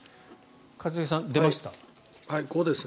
一茂さん、出ました？